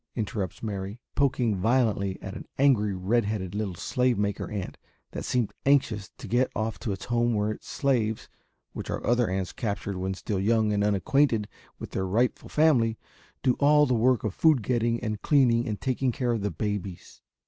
interrupts Mary, poking violently at an angry red headed little slave maker ant that seemed anxious to get off to its home where its slaves, which are other ants captured when still young and unacquainted with their rightful family, do all the work of food getting and cleaning and taking care of the babies.